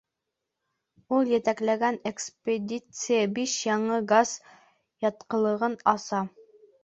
Ул етәкләгән экспедиция биш яңы газ ятҡылығын аса.